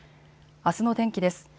あすの天気です。